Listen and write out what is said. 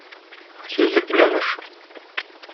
Сүзлек белән эш.